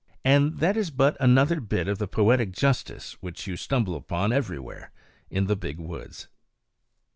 And that is but another bit of the poetic justice which you stumble upon everywhere in the big woods.